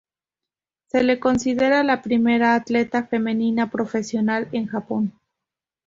Se le considera la primera atleta femenina profesional en Japón.